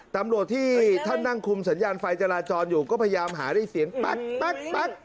ตำรวจที่ท่านนั่งคุมสัญญาณไฟจราจรอยู่ก็พยายามหาได้เสียงปั๊ก